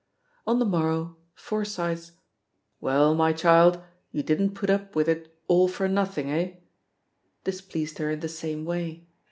On the morrow, Forsyth's "Well, my child, you didn't put up with it all for nothing, eh?" displeased her in the same way.